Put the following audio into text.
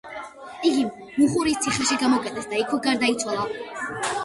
იგი მუხურის ციხეში გამოკეტეს და იქვე გარდაიცვალა.